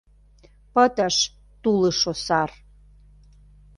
Пытыш тулышо сар.